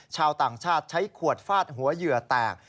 ชาวต่างชาติใช้ขวดฟาดหัวเหยื่อแตก